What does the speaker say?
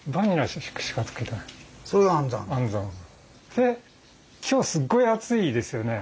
で今日すっごい暑いですよね。